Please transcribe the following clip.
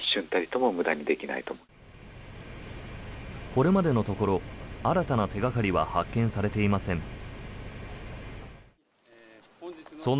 これまでのところ新たな手掛かりは発見されていません。